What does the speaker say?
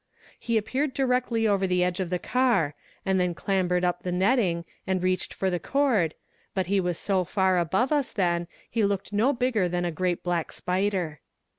He appeared directly over the edge of the car, and then clambered up the netting and reached for the cord, but he was so far above us then he looked no bigger than a great black spider.